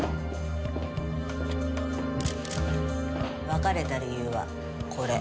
別れた理由はこれ。